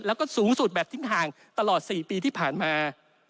แล้วก็สูงสุดแบบทิ้งห่างตลอด๔ปีที่ผ่านมา